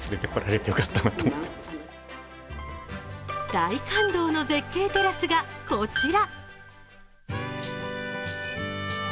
大感動の絶景テラスがこちら。